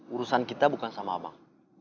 urusan kita bukan sama abang